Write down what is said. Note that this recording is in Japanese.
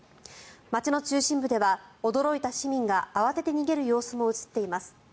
街の中心部では驚いた市民が慌てて逃げる様子も映っています。